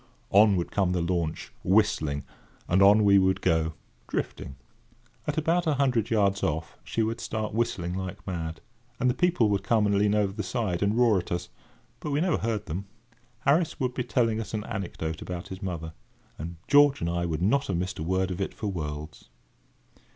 On would come the launch, whistling, and on we would go, drifting. At about a hundred yards off, she would start whistling like mad, and the people would come and lean over the side, and roar at us; but we never heard them! Harris would be telling us an anecdote about his mother, and George and I would not have missed a word of it for worlds.